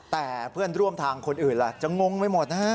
แต่เพื่อนร่วมทางคนอื่นล่ะจะงงไปหมดนะฮะ